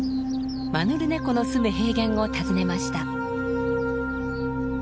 マヌルネコのすむ平原を訪ねました。